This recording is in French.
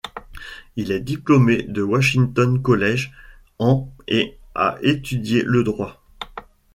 Il est diplômé du Washington College en et a étudié le droit.